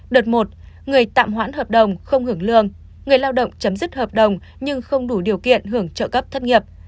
đợt một người tạm hoãn hợp đồng không hưởng lương người lao động chấm dứt hợp đồng nhưng không đủ điều kiện hưởng trợ cấp thất nghiệp